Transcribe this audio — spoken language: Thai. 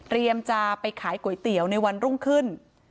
จะไปขายก๋วยเตี๋ยวในวันรุ่งขึ้น